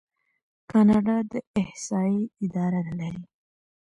کاناډا د احصایې اداره لري.